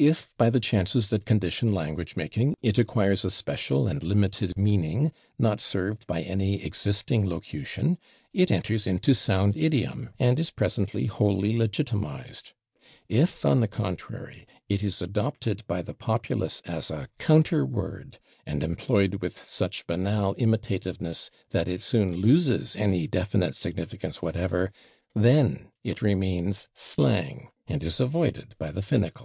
If, by the chances that condition language making, it acquires a special and limited meaning, not served by any existing locution, it enters into sound idiom and is presently wholly legitimatized; if, on the contrary, it is adopted by the populace as a counter word and employed with such banal imitativeness that it soon loses any definite significance whatever, then it remains slang and is avoided by the finical.